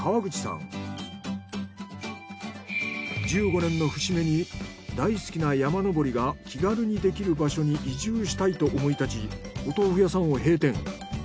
それで１５年の節目に大好きな山登りが気軽にできる場所に移住したいと思い立ちお豆腐屋さんを閉店。